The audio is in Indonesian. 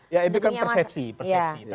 ya itu kan persepsi